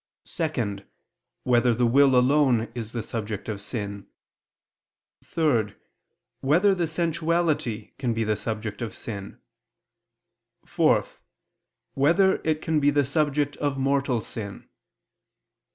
(2) Whether the will alone is the subject of sin? (3) Whether the sensuality can be the subject of sin? (4) Whether it can be the subject of mortal sin?